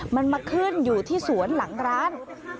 มันมาขึ้นอยู่ที่สวนหลังร้าน